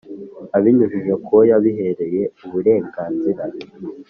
Abinyujije ku wo yabihereye uburenganzira.